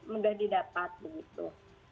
mudah didapat begitu